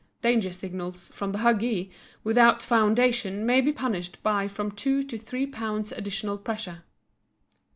Danger signals, from the huggee, without foundation may be punished by from two to three pounds additional pressure.